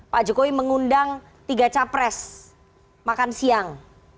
pak jokowi mengundang tiga capres makan siang